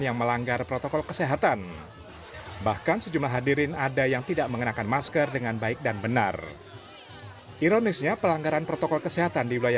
kalau berubah karena sudah tidak sesuai jadi kita berubah kemampuan semuanya